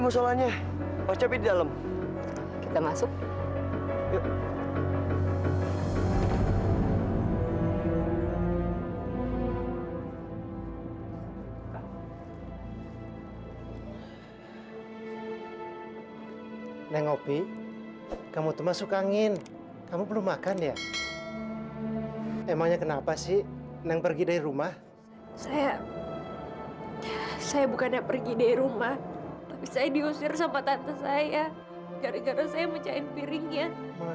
saya harus berterima kasih karena